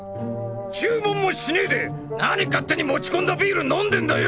注文もしねぇでなに勝手に持ち込んだビール飲んでんだよ！